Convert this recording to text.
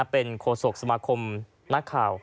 เป็นโฆษกสมาคมนักข่าว